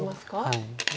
はい。